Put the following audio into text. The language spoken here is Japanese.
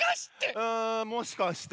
あもしかして。